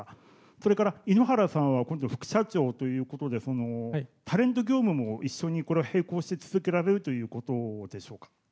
それから井ノ原さんは今度、副社長ということで、タレント業務も一緒に並行して続けられるということでしょうか。